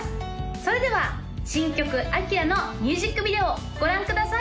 それでは新曲「アキラ」のミュージックビデオをご覧ください！